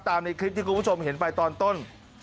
ในคลิปที่คุณผู้ชมเห็นไปตอนต้น